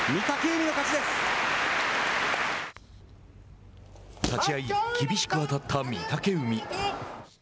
立ち合い厳しく当たった御嶽海。